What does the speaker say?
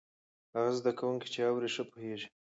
هغه زده کوونکی چې اوري، ښه پوهېږي.